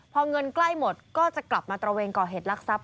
พอเงินใกล้หมดก็จะกลับมาตระเวนก่อเหตุลักษัพ